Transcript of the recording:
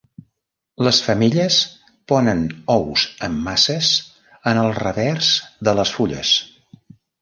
Les femelles ponen ous en masses en el revers de les fulles.